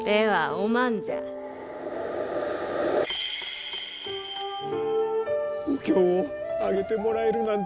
お経をあげてもらえるなんて。